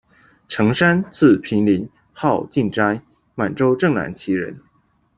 成山，字屏临，号进斋，满洲正蓝旗人。